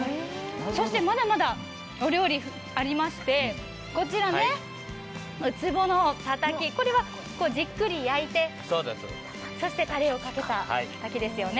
まだまだお料理ありまして、こちらうつぼのたたき、これはじっくり焼いて、そしてたれをかけただけですよね。